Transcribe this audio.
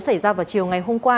xảy ra vào chiều ngày hôm qua